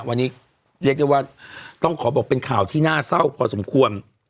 วันนี้เรียกได้ว่าต้องขอบอกเป็นข่าวที่น่าเศร้าพอสมควร